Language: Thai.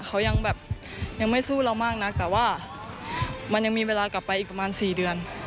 เขายังแบบยังไม่สู้เรามากนักแต่ว่ามันยังมีเวลากลับไปอีกประมาณ๔เดือน